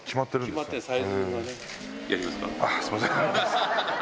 すみません。